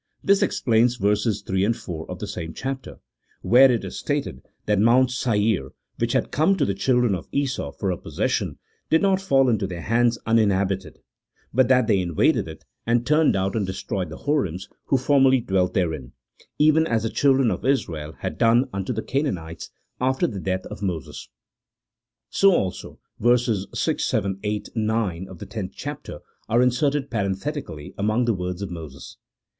This explains verses 3 and 4 of the same chapter, where it is stated that Mount Seir, which had come to the children of Esau for a possession, did not fall into their hands uninhabited ; but that they invaded it, and turned out and destroyed the Horims, who formerly dwelt therein, even as the children of Israel had done unto the Canaanitea after the death of Moses. CHAP. VIII.] THE AUTHORSHIP OF THE PENTATEUCH. 131 So, also, verses 6, 7, 8, 9, of the tenth chapter are in serted parenthetically among the words of Moses.